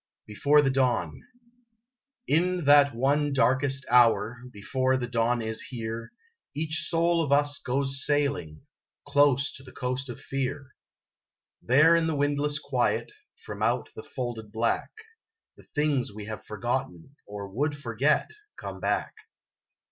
BEFORE THE DAWN In that one darkest hour, before the dawn is here, Each soul of us goes sailing, close to the coast of Fear. There in the windless quiet, from out the folded black, The things we have forgotten or would forget come back.